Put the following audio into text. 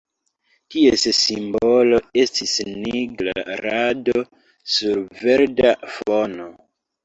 Ties simbolo estis nigra rado sur verda fono.